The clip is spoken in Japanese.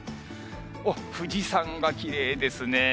富士山がきれいですね。